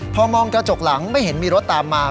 พอมองกระจกหลังไม่เห็นมีรถตามมา